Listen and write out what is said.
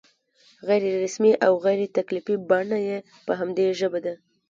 غیر رسمي او غیر تکلفي بڼه یې په همدې ژبه ده.